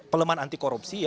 peleman anti korupsi